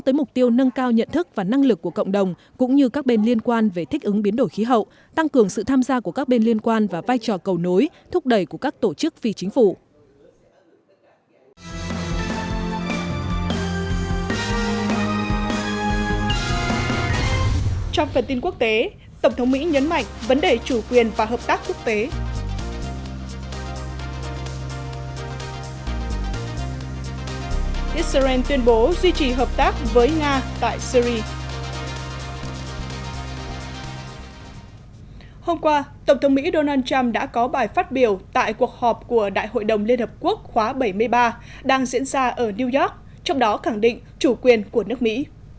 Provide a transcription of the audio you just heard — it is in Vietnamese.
hôm qua tổng thống mỹ donald trump đã có bài phát biểu tại cuộc họp của đại hội đồng liên hợp quốc khóa bảy mươi ba đang diễn ra ở new york trong đó khẳng định chủ quyền của nước mỹ